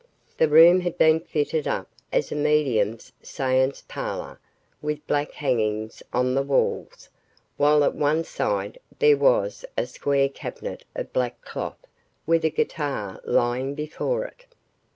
The room had been fitted up as a medium's seance parlor, with black hangings on the walls, while at one side there was a square cabinet of black cloth, with a guitar lying before it.